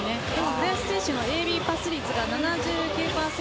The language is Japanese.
林選手のＡ・Ｂパス率が７９％。